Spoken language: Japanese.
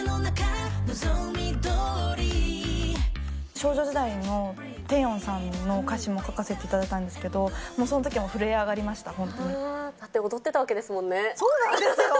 少女時代のテヨンさんの歌詞も書かせていただいたんですけれども、そのときは震え上がりましだって、踊ってたわけですもそうなんですよ。